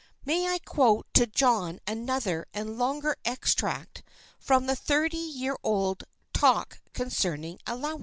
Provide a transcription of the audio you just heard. May I quote to John another and a longer extract from the thirty year old "Talk concerning Allowances"?